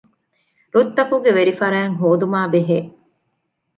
ރުއްތަކުގެ ވެރިފަރާތް ހޯދުމާބެހޭ